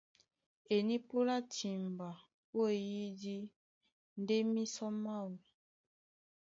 E nípúlá timba ó eyídí ndé mísɔ máō.